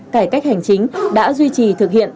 cải cách hành chính đã duy trì thực hiện